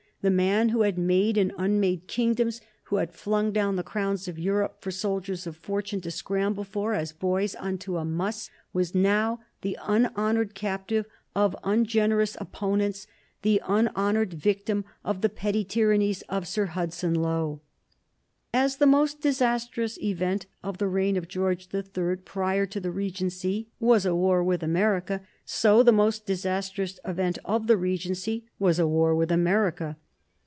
The man who had made and unmade kingdoms, who had flung down the crowns of Europe for soldiers of fortune to scramble for as boys unto a muss, was now the unhonored captive of ungenerous opponents, the unhonored victim of the petty tyrannies of Sir Hudson Lowe. [Sidenote: 1812 15 The War of 1812] As the most disastrous event of the reign of George the Third prior to the Regency was a war with America, so the most disastrous event of the Regency was a war with America.